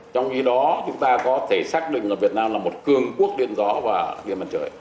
trong khi đó chúng ta có thể xác định là việt nam là một cường quốc điện gió và điện mặt trời